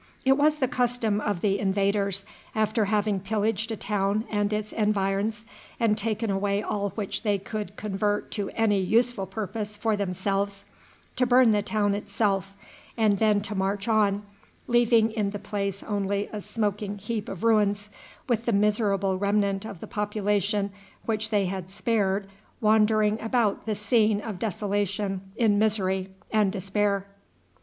It was the custom of the invaders, after having pillaged a town and its environs, and taken away all which they could convert to any useful purpose for themselves, to burn the town itself, and then to march on, leaving in the place only a smoking heap of ruins, with the miserable remnant of the population which they had spared wandering about the scene of desolation in misery and despair.